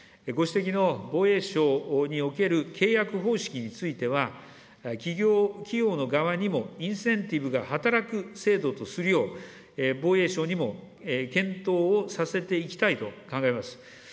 ご指摘の防衛省における契約方式については、企業の側にもインセンティブが働く制度とするよう、防衛省にも検討をさせていきたいと考えます。